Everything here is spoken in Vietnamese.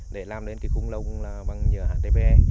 để làm đến cái khung lồng bằng nhựa hdpe